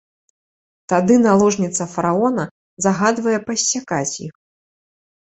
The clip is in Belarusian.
Тады наложніца фараона загадвае пассякаць іх.